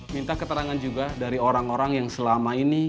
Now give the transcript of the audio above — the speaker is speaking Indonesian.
minta keterangan juga dari orang orang yang selama ini